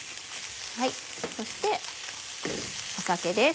そして酒です。